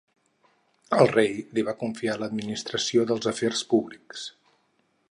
El rei li va confiar l'administració dels afers públics.